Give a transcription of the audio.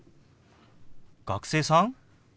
学生さん？